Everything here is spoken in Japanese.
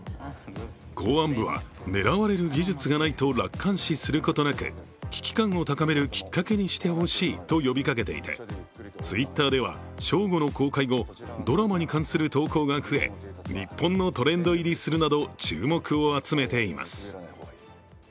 公安部は狙われる技術がないと楽観視することなく、危機感を高めるきっかけにしてほしいと呼びかけていてＴｗｉｔｔｅｒでは正午の公開後ドラマに関する投稿が増え日本のトレンド入りするなど注目を集めています。